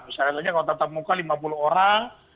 misalnya saja kalau tatap muka lima puluh orang